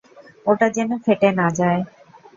ওটা যেন ফেটে না যায়।